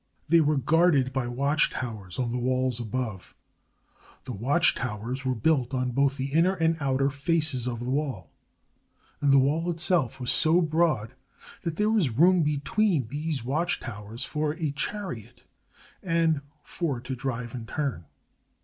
They were guarded by watch towers on the walls above. The watch towers were built on both the inner and outer faces of the wall, and the wall itself was so broad that there was room between these watch towers for a chariot and four to drive and turn.